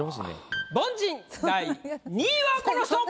凡人第２位はこの人！